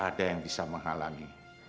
ada yang bisa menghalangi